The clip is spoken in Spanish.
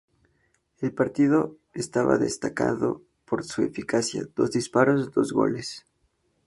El partido estaba destacando por su eficacia: dos disparos, dos goles.